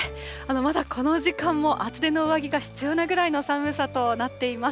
まだこの時間も厚手の上着が必要なぐらいの寒さとなっています。